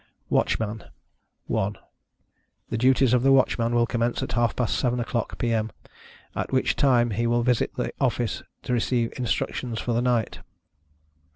WATCHMAN. 1. The duties of the Watchman will commence at half past seven oâ€™clock, P.Â M., at which time he will visit the office to receive instructions for the night.